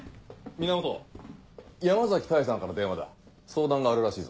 源山崎多江さんから電話だ相談があるらしいぞ。